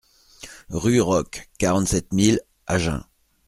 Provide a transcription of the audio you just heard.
Rue Roques, quarante-sept mille Agen